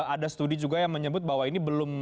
ada studi juga yang menyebut bahwa ini belum